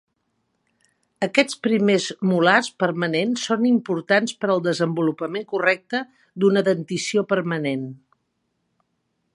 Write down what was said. Aquests primers molars permanents són importants per al desenvolupament correcte d'una dentició permanent.